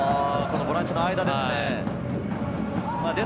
ボランチの間です。